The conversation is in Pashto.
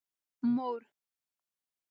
مور